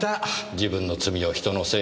自分の罪を人のせいにする。